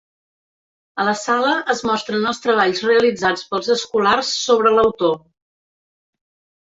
A la sala es mostren els treballs realitzats pels escolars sobre l'autor.